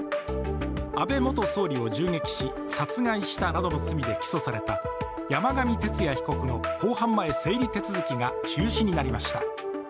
安倍元総理を銃撃し、殺害したなどの罪で起訴された山上徹也被告の公判前整理手続が中止になりました。